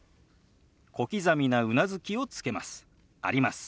小刻みなうなずきをつけます。